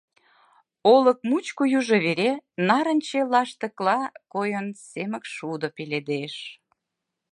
Олык мучко южо вере, нарынче лаштыкла койын, семыкшудо пеледеш.